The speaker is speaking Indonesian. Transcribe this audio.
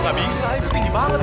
gak bisa itu tinggi banget